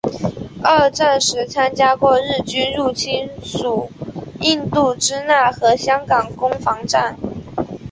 二战时参加过日军入侵法属印度支那和香港攻防战。